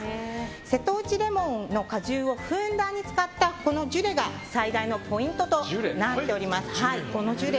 瀬戸内レモンの果汁をふんだんに使ったジュレが最大のポイントとなっています。